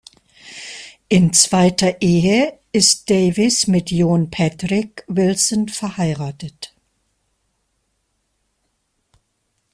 In zweiter Ehe ist Davis mit Jon Patrick Wilson verheiratet.